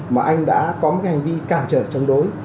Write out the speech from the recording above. mà anh đã có một hành vi cản trở chống đối